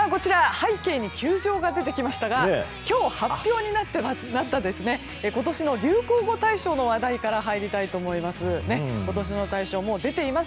背景に球場が出てきましたが今日、発表になった今年の流行語大賞の話題から入りたいと思います。